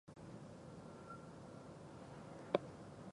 耳を傾けてわたしの言葉を聞いてください。